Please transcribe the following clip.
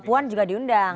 papuan juga diundang